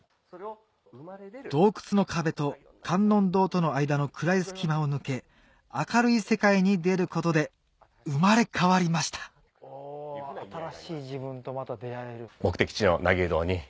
洞窟の壁と観音堂との間の暗い隙間を抜け明るい世界に出ることで生まれ変わりましたお新しい自分とまた出会える。